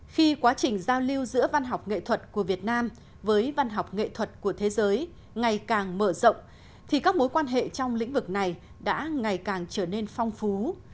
khi quá trình giao lưu giữa văn học nghệ thuật của việt nam với văn học nghệ thuật của thế giới ngày càng mở rộng thì các mối quan hệ trong lĩnh vực này đã ngày càng trở nên phong phú